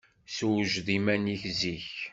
Sewjed-d iman-ik zik.